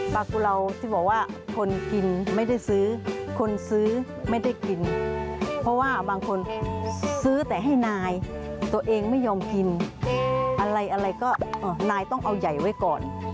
กุเหลาที่บอกว่าคนกินไม่ได้ซื้อคนซื้อไม่ได้กินเพราะว่าบางคนซื้อแต่ให้นายตัวเองไม่ยอมกินอะไรอะไรก็นายต้องเอาใหญ่ไว้ก่อน